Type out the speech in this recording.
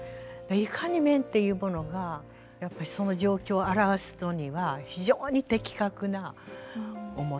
いかに面というものがやっぱりその状況を表すのには非常に的確な面。